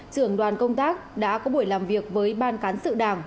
trưởng đoàn công tác đã có buổi làm việc với ban cán sự đảng